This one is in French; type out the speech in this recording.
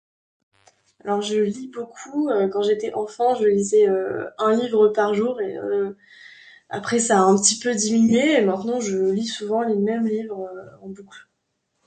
je lis beaucoup